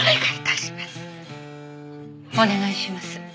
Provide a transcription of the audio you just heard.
お願い致します。